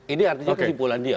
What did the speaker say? ini artinya kesimpulan dia